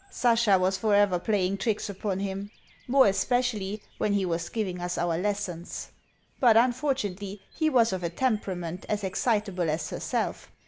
Sasha was for ever playing tricks upon him more especially when he was giving us our lessons. But unfortunately, he was of a temperament as excitable as herself.